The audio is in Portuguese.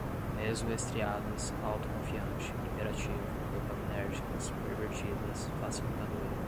meso-estriadas, autoconfiante, hiperativo, dopaminérgicas, pervertidas, facilitadora